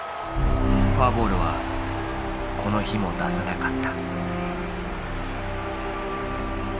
フォアボールはこの日も出さなかった。